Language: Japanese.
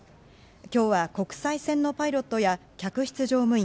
今日は、国際線のパイロットや客室乗務員